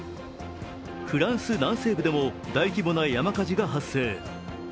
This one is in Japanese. フランス南西部でも大規模な山火事が発生。